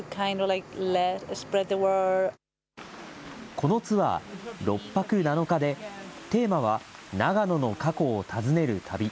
このツアー、６泊７日で、テーマは、長野の過去を訪ねる旅。